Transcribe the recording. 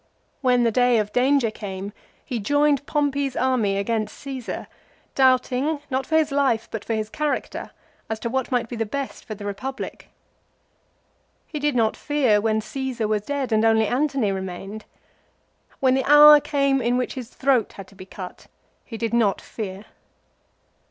When the day of danger came, he joined Pompey's army against Csesar, doubting, not for his life but for his character, as to what might be the best for the Eepublic. He did not fear when Caesar was dead and only Antony remained. When the hour came in which his throat had to be cut, he did not fear.